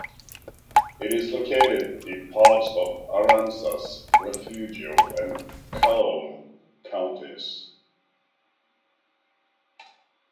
It is located in parts of Aransas, Refugio, and Calhoun counties.